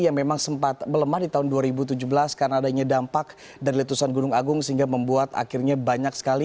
yang memang sempat melemah di tahun dua ribu tujuh belas karena adanya dampak dari letusan gunung agung sehingga membuat akhirnya banyak sekali